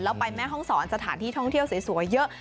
แล้วไปแม่ห้องศรสถานที่ท่องเที่ยวสวยเยอะ